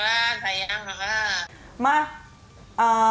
ma barusan akhirnya dikasihan